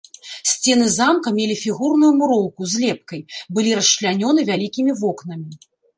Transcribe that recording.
Сцены замка мелі фігурную муроўку з лепкай, былі расчлянёны вялікімі вокнамі.